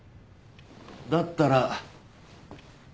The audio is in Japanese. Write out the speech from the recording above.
だったら。